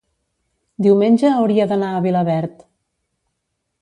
diumenge hauria d'anar a Vilaverd.